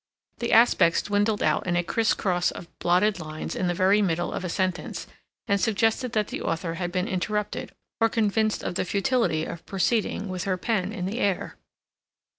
The aspects dwindled out in a cries cross of blotted lines in the very middle of a sentence, and suggested that the author had been interrupted, or convinced of the futility of proceeding, with her pen in the air....